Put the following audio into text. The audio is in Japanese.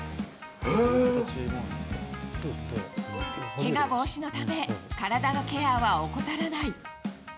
けが防止のため、体のケアは怠らない。